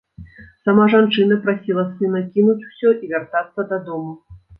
Сама жанчына прасіла сына кінуць усё і вяртацца дадому.